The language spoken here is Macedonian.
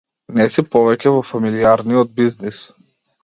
Не си повеќе во фамилијарниот бизнис.